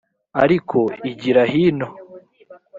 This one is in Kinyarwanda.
ariko igira hino.